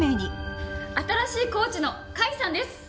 新しいコーチの甲斐さんです！